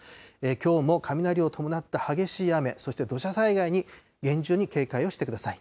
きょうも雷を伴った激しい雨、そして土砂災害に厳重に警戒をしてください。